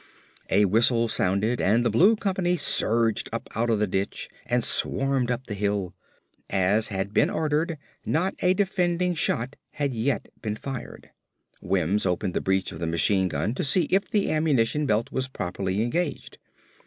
A whistle sounded and the Blue company surged up out of the ditch and swarmed up the hill. As had been ordered, not a defending shot had yet been fired. Wims opened the breech of the machine gun to see if the ammunition belt was properly engaged.